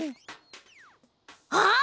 あっ！